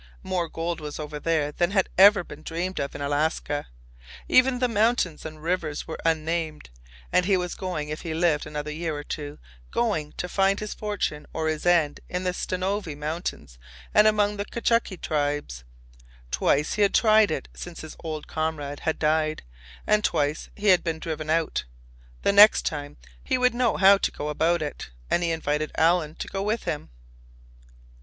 More gold was over there than had ever been dreamed of in Alaska; even the mountains and rivers were unnamed; and he was going if he lived another year or two—going to find his fortune or his end in the Stanovoi Mountains and among the Chukchi tribes. Twice he had tried it since his old comrade had died, and twice he had been driven out. The next time he would know how to go about it, and he invited Alan to go with him.